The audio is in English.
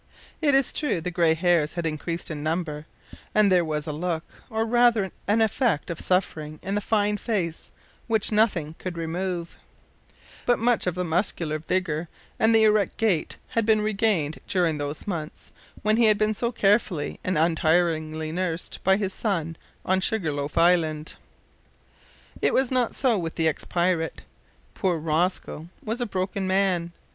It is true the grey hairs had increased in number, and there was a look, or, rather, an effect, of suffering in the fine face which nothing could remove; but much of the muscular vigour and the erect gait had been regained during those months when he had been so carefully and untiringly nursed by his son on Sugar loaf Island. It was not so with the ex pirate. Poor Rosco was a broken man.